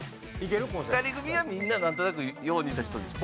２人組はみんななんとなくよう似た人でしょ？